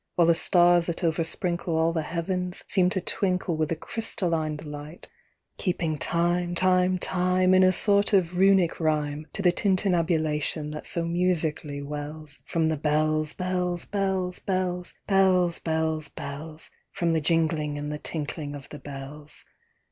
While the stars that oversprinkle All the heavens, seem to twinkle With a crystalline delight; Keeping time, time, time, In a sort of Runic rhyme, To the tintinnabulation that so musically wells From the bells, bells, bells, bells, Bells, bells, bells— From the jingling and the tinkling of the bells.